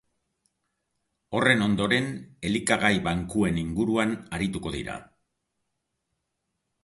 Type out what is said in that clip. Horren ondoren, elikagai bankuen inguruan arituko dira.